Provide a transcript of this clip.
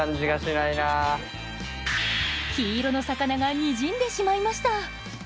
黄色の魚がにじんでしまいました。